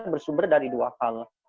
bersumber dari dua hal